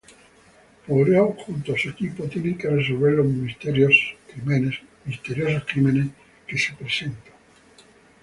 Poirot junto a su equipo tienen que resolver los misteriosos crímenes que se presentan.